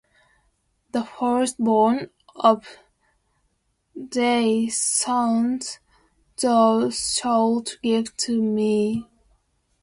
The firstborn of thy sons thou shalt give to me.